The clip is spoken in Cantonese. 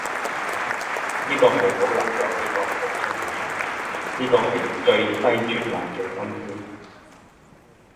呢個係好撚有希望嘅春天，呢個係最閪絕望嘅冬天，